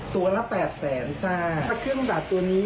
ตัวละ๘แสนจ้า